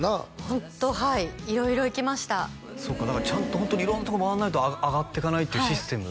ホントはい色々行きましたそっかだからちゃんとホントに色んなとこ回んないと上がっていかないっていうシステム？